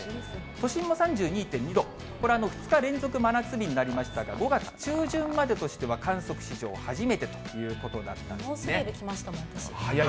都心も３２．２度、これ、２日連続真夏日になりましたが、５月中旬までとしては観測史上初めてということだったんですね。